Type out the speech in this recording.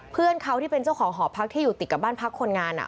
เพื่อนเขาที่เป็นเจ้าของหอพักที่อยู่ติดกับบ้านพักคนงาน